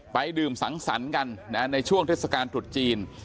ไปดื่มสังสรรค์กันนะฮะในช่วงเทศกาลถุดจีน